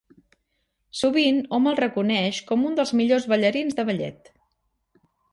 Sovint hom el reconeix com un dels millors ballarins de ballet.